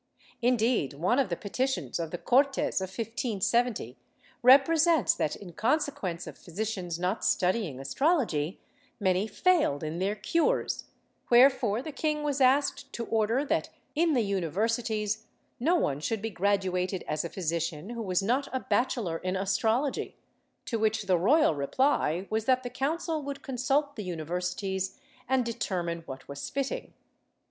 ^ Indeed, one of the petitions of the Cortes of 1570 represents that in consequence of physicians not studying astrology many failed in their cures, wherefore the king was asked to order that in the universities no one should be graduated as a physician who was not a bachiller in astrology, to which the royal reply was that the Council would consult the universities and determine what was fitting.